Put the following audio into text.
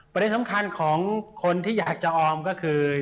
ประเด็นสำคัญของคนที่อยากจะออมก็คือ